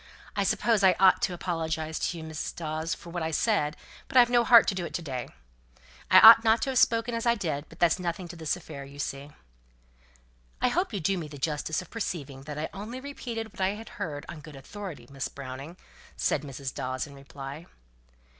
I suppose I ought to apologize to you, Mrs. Dawes, for what I said; but I've no heart to do it to day. I ought not to have spoken as I did; but that's nothing to this affair, you see." "I hope you do me the justice to perceive that I only repeated what I had heard on good authority, Miss Browning," said Mrs. Dawes in reply.